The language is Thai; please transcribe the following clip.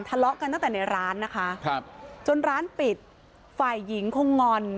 ทะเลาะกันตั้งแต่ในร้านนะคะครับจนร้านปิดฝ่ายหญิงคงงอน